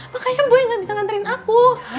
makanya buaya gak bisa nganterin aku